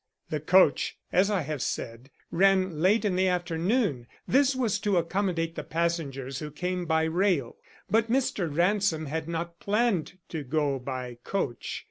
The coach, as I have said, ran late in the afternoon. This was to accommodate the passengers who came by rail. But Mr. Ransom had not planned to go by coach.